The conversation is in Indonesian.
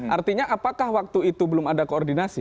artinya apakah waktu itu belum ada koordinasi